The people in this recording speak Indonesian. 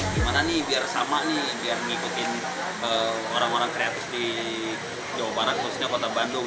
gimana nih biar sama nih biar mengikuti orang orang kreatif di jawa barat khususnya kota bandung